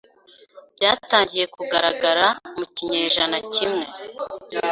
byatangiye kugaragara mu kinyejana kimwe